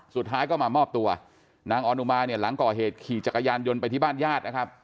สุดท้ายก็มามอบตัวนางออนอุมาเนี่ยหลังก่อเหตุขี่จักรยานยนต์ไปที่บ้านญาตินะครับ